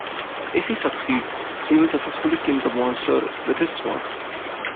If he succeeds, he will successfully kill the monster with his Sword.